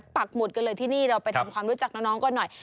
ปากหมุดกันเลยที่นี่เราไปทำความรู้จักน้องกันหน่อย